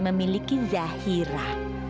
aku juga punya zairah